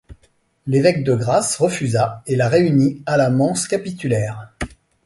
L'évêque de Grasse refusa et la réunit à la mense capitulaire.